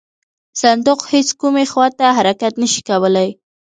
صندوق هیڅ کومې خواته حرکت نه شي کولی.